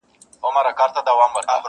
ستا دردونه خو کټ مټ لکه شراب دي,